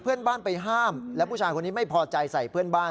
เพื่อนบ้านไปห้ามแล้วผู้ชายคนนี้ไม่พอใจใส่เพื่อนบ้าน